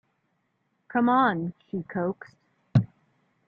“Come on,” she coaxed.